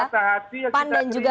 namanya orang kata hati ya kita terima